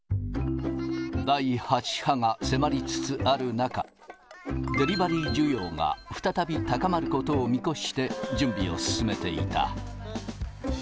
第８波が迫りつつある中、デリバリー需要が再び高まることを見越して準備を進めていた。